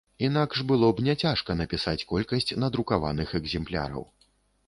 Інакш было б няцяжка напісаць колькасць надрукаваных экземпляраў.